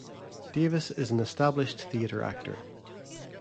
Davis is an established theatre actor.